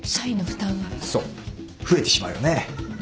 そう増えてしまうよね。